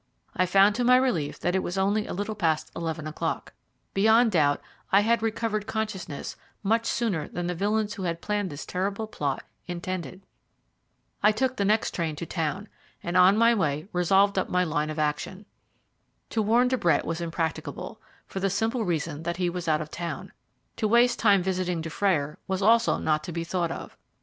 I found to my relief that it was only a little past eleven o'clock. Beyond doubt, I had recovered consciousness much sooner than the villains who had planned this terrible plot intended. I took the next train to town, and on my way up resolved on my line of action. To warn De Brett was impracticable, for the simple reason that he was out of town to waste time visiting Dufrayer was also not to be thought of.